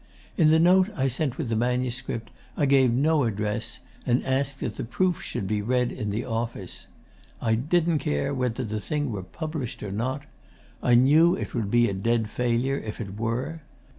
In the note I sent with the manuscript, I gave no address, and asked that the proofs should be read in the office. I didn't care whether the thing were published or not. I knew it would be a dead failure if it were.